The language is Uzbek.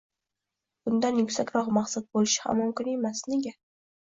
Bundan yuksakroq maqsad bo‘lishi ham mumkin emas. Nega?